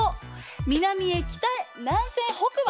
南へ北へ南船北馬。